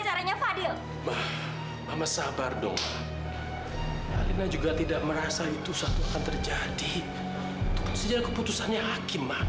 ya tapi kenapa sindangnya harus datang pak